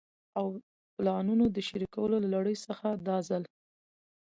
او پلانونو د شريکولو له لړۍ څخه دا ځل